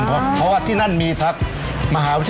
เพราะที่นั่นมีสาย